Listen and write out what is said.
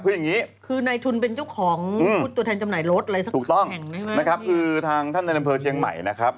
คืออย่างนี้คือในทุนเป็นเจ้าของตัวแทนจำหน่ายรถอะไรสักถูกต้องนะครับคือทางท่านในอำเภอเชียงใหม่นะครับ